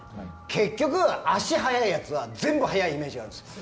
結局、足が速いやつは全部速いイメージがあるんです。